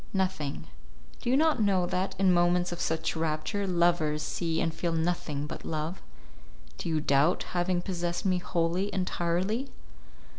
"Nothing. Do you not know that, in moments of such rapture, lovers see and feel nothing but love? Do you doubt having possessed me wholly, entirely?"